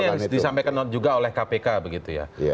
ini yang disampaikan juga oleh kpk begitu ya